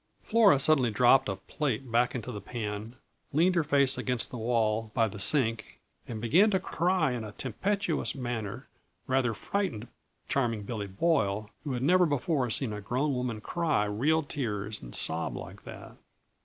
Flora suddenly dropped a plate back into the pan, leaned her face against the wall by the sink and began to cry in a tempestuous manner rather frightened Charming Billy Boyle, who had never before seen a grown woman cry real tears and sob like that.